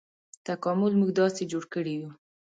تکامل موږ داسې جوړ کړي یوو.